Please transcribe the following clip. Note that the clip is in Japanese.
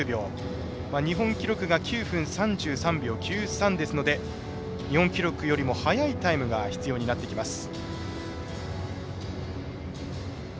日本記録が９分３３秒９３ですので日本記録よりも早いタイムが必要になってきます。